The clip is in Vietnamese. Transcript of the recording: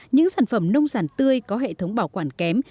những sản phẩm nông sản tươi có hệ thống bảo quản kém